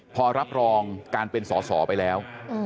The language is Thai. พอรับรองการเป็นสอสอไปแล้ว